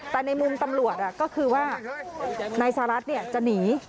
แต่ในมุมตำรวจก็คือว่านายสหรัฐจะหนี